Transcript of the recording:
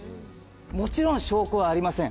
もちろん証拠はありません。